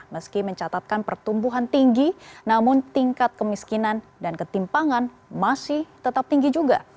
meski mencatatkan pertumbuhan tinggi namun tingkat kemiskinan dan ketimpangan masih tetap tinggi juga